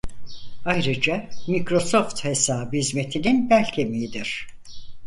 Ayrıca Microsoft hesabı hizmetinin belkemiğidir.